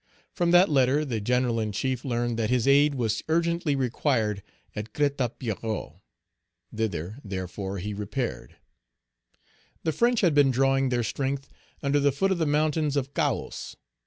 From that letter the General in chief learned that his aid was urgently required at Crête à Pierrot; thither, therefore, he repaired. The French had been drawing their strength under the foot of the mountains of Cahos.